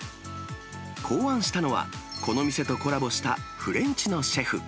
考案したのは、この店とコラボした、フレンチのシェフ。